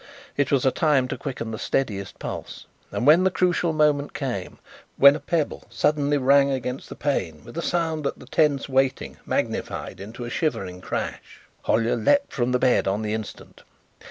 It was a time to quicken the steadiest pulse, and when the crucial moment came, when a pebble suddenly rang against the pane with a sound that the tense waiting magnified into a shivering crash, Hollyer leapt from the bed on the instant.